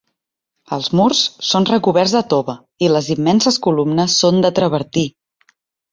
Els murs són recoberts de tova i les immenses columnes són de travertí.